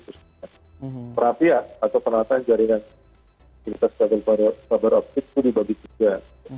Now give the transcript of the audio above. perhatian atau penelitian jaringan kabel kabel pabrik itu dibagi juga